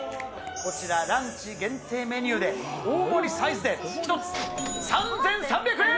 こちら、ランチ限定メニューで、大盛りサイズで１つ３３００円。